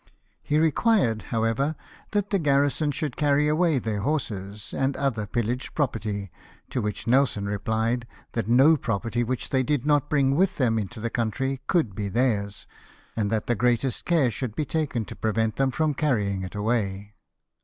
He required, however, that the garrison should carry away their horses and other pillaged property, to which Nelson replied, " That no property which they did not bring with them into the country could be theirs, and that the greatest care should be taken to prevent them from carrying it away."